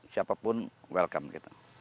siapapun welcome kita